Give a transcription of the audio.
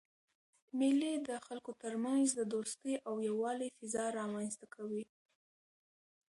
مېلې د خلکو ترمنځ د دوستۍ او یووالي فضا رامنځ ته کوي.